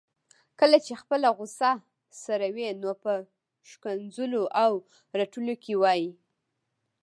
کله چي خپله غصه سړوي نو په ښکنځلو او رټلو کي وايي